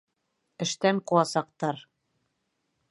Эштән ҡыуасаҡтар!